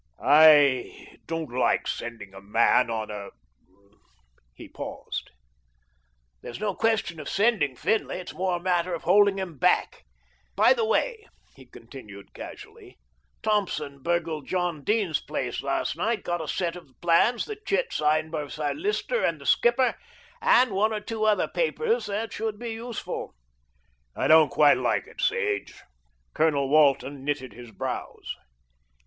"I don't like sending a man on a " He paused. "There's no question of sending Finlay; it's more a matter of holding him back. By the way," he continued casually, "Thompson burgled John Dene's place last night, got a set of plans, the chit signed by Sir Lyster and the Skipper, and one or two other papers that should be useful." "I don't quite like it, Sage." Colonel Walton knitted his brows.